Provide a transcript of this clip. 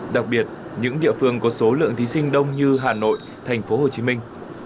đặc biệt những địa phương có số lượng thí sinh đông như hà nội thành phố hồ chí minh